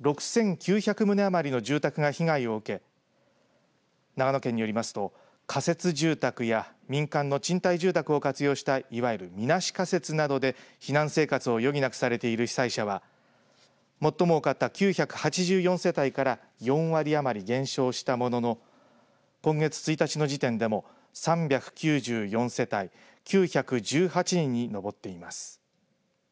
６９００棟余りの住宅が被害を受け、長野県によりますと仮設住宅や民間の賃貸住宅を活用したいわゆる、みなし仮設などで避難生活を余儀なくされている被災者は最も多かった９８４世代から４割余り減少したものの今月１日の時点でも３９４世帯９１８人に上っています。